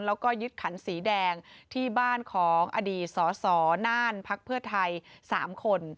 แล้วก็ยึดขันสีแดงที่บ้านของอดีตสสนพท๓คน